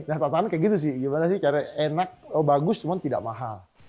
nah tantangan kayak gitu sih gimana sih caranya enak bagus cuman tidak mahal